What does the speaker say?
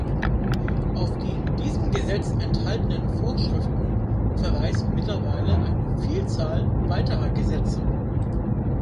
Auf die in diesem Gesetz enthaltenen Vorschriften verweist mittlerweile eine Vielzahl weiterer Gesetze.